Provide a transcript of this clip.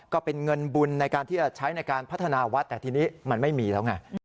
ก็เป็นเงินบุญในการที่จะใช้ในการพัฒนาวัดแต่ทีนี้มันไม่มีแล้วไง